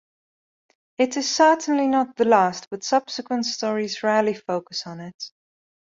It is certainly not the last but subsequent stories rarely focus on it.